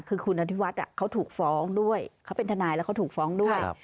คือคุณอธิวัฒน์เขาถูกฟ้องด้วยเขาเป็นทนายแล้วเขาถูกฟ้องด้วย